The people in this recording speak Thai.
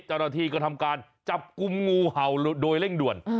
จรฐีก็ทำการจับกลุ่มงูเห่าโดยเร่งด่วน